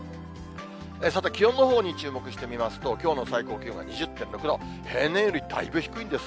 さて気温のほうに注目してみますと、きょうの最高気温は２０．６度、平年よりだいぶ低いんです。